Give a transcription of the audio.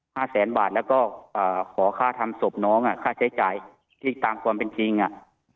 แสนบาทแล้วก็อ่าขอค่าทำศพน้องอ่ะค่าใช้จ่ายที่ตามความเป็นจริงอ่ะ